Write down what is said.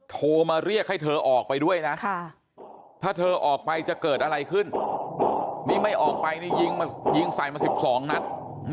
โทรมาเรียกให้เธอออกไปด้วยนะถ้าเธอออกไปจะเกิดอะไรขึ้นนี่ไม่ออกไปนี่ยิงใส่มา๑๒นัด